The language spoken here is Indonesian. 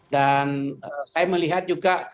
dan saya melihat juga